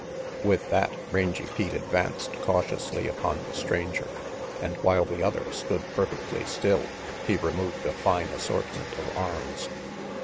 With that, Rangy Pete advanced cautiously upon the stranger, and while the other stood perfectly still he removed a fine assortment of arms.